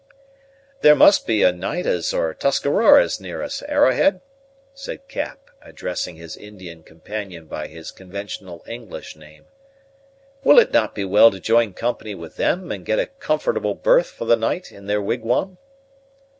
"There must be Oneidas or Tuscaroras near us, Arrowhead," said Cap, addressing his Indian companion by his conventional English name; "will it not be well to join company with them, and get a comfortable berth for the night in their wigwam?"